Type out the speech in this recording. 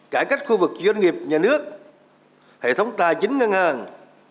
cải cách khu vực doanh nghiệp nhà nước hệ thống tài chính ngân hàng